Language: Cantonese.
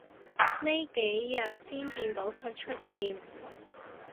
呢幾日先見到佢出現